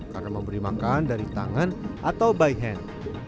karena memberi makan dari tangan atau by hand